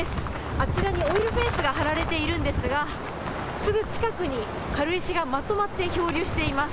あちらにオイルフェンスが張られているんですがすぐ近くに軽石がまとまって漂流しています。